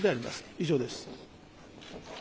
以上です。